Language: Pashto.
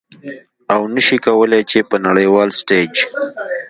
او نشي کولې چې په نړیوال ستیج